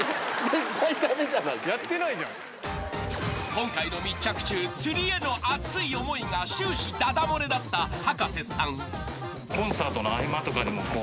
［今回の密着中釣りへの熱い思いが終始ダダ漏れだった葉加瀬さん］